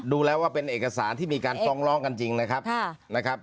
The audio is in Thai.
ดูแล้วว่าเป็นเอกสารที่มีการฟ้องร้องกันจริงนะครับ